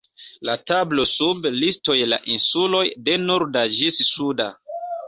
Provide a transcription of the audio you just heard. La tablo sub listoj la insuloj de Norda ĝis Suda.